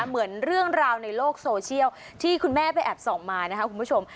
เหมือนเรื่องราวในโลกโซเชียลที่คุณแม่ไปแอบส่องมานะคะคุณผู้ชม